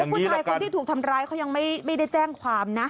ผู้ชายคนที่ถูกทำร้ายเขายังไม่ได้แจ้งความนะ